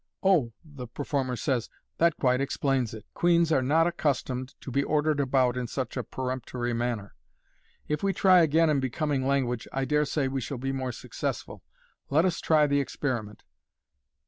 " Ohfr the performer says, " that quite explains it. Queens are not accus tomed to be ordered about in such a peremptory manner. If we try again in becoming language, I dare say we shall be more successful. Let us try the experiment.